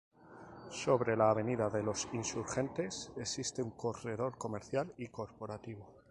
Sobre la Avenida de los Insurgentes existe un corredor comercial y corporativo.